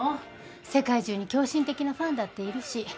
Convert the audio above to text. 世界中に狂信的なファンだっているし。